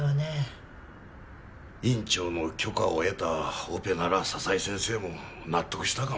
院長の許可を得たオペなら佐々井先生も納得したかも。